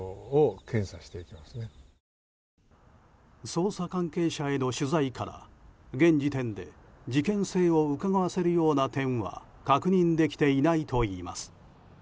捜査関係者への取材から現時点で事件性をうかがわせるような点は確認できていないといいます。